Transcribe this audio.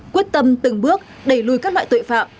quyết tâm từng bước đẩy lùi các loại tội phạm